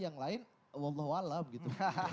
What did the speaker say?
yang lain wallahualam gitu